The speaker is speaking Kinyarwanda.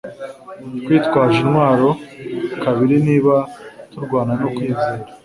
Twitwaje intwaro kabiri niba turwana no kwizera.